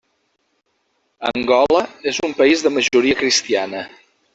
Angola és un país de majoria cristiana.